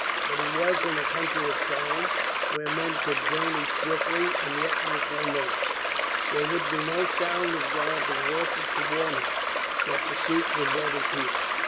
But he was in a country of silence, where men could journey swiftly and yet make no noise. There would be no sound of galloping horses to warn him that pursuit was at his heels.